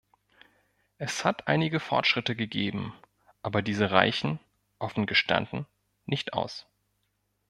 Es hat einige Fortschritte gegeben, aber diese reichen, offen gestanden, nicht aus.